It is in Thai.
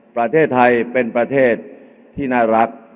ประเทศไทยเป็นประเทศที่น่ารัก